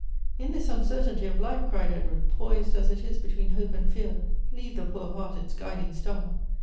" In this uncertainty of life," cried Edward, " poised as it is between hope and fear, leave the poor heart its guiding star.